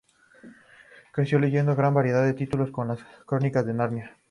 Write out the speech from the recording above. Creció leyendo gran variedad de títulos como "Las Crónicas de Narnia".